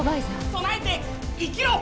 備えて生きろっ！